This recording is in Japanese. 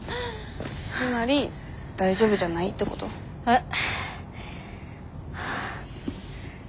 つまり大丈夫じゃないってこと？ん。